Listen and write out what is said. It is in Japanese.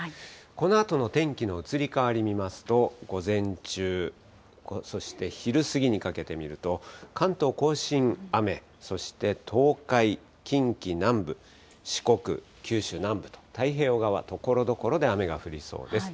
このあとの天気の移り変わり見ますと、午前中、そして昼過ぎにかけて見ると、関東甲信、雨、そして東海、近畿南部、四国、九州南部と、太平洋側、ところどころで雨が降りそうです。